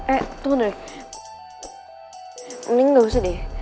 eh tunggu nurek mending gak usah deh